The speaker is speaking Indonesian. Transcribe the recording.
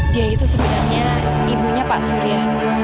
dia itu sebenarnya ibunya pak surya